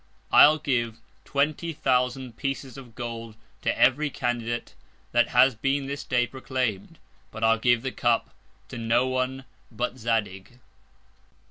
I'll give 20,000 Pieces of Gold to every Candidate that has been this Day proclaim'd, but I'll give the Cup to no one but Zadig.